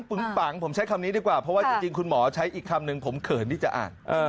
ปังผมใช้คำนี้ดีกว่าเพราะว่าจริงคุณหมอใช้อีกคำหนึ่งผมเขินที่จะอ่าน